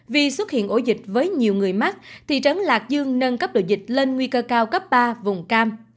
vì xuất hiện ổ dịch với nhiều người mắc thị trấn lạc dương nâng cấp độ dịch lên nguy cơ cao cấp ba vùng cam